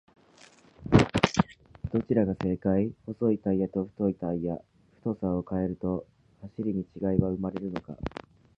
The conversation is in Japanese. どちらが正解!?細いタイヤと太いタイヤ、太さを変えると走りに違いは生まれるのか？